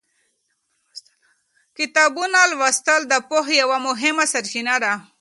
کتابونه لوستل د پوهې یوه مهمه سرچینه ده.